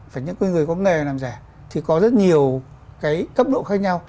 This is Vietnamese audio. phải những người có nghề làm giả thì có rất nhiều cái cấp độ khác nhau